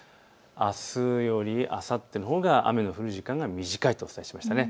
あすよりあさってのほうが雨の降る時間が短いとお伝えしましたね。